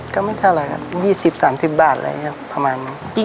ก็ไม่ตนะครับ๒๐๓๐บาทหนึ่งเพราะแบบนี้